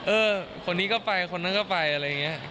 เออคนนี้ก็ไปคนนั้นก็ไปอะไรอย่างนี้